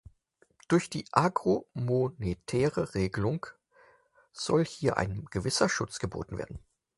Durch die agromonetäre Regelung soll hiergegen ein gewisser Schutz geboten werden.